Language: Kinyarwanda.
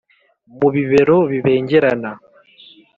mu bibero bibengerana